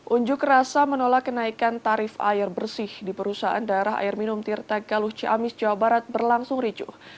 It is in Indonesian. unjuk rasa menolak kenaikan tarif air bersih di perusahaan daerah air minum tirta galuh ciamis jawa barat berlangsung ricuh